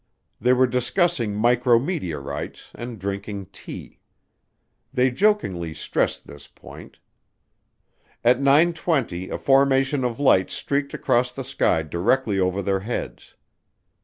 They were discussing micrometeorites and drinking tea. They jokingly stressed this point. At nine twenty a formation of lights streaked across the sky directly over their heads.